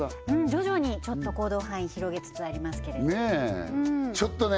徐々にちょっと行動範囲広げつつありますけれどちょっとね